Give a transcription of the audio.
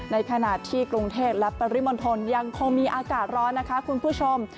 ในขณะที่กรุงเทพและปริมณฑลยังคงมีอากาศร้อนนะคะคุณผู้ชม